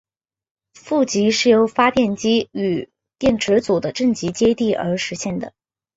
负极是由发电机与电池组的正极接地而实现的。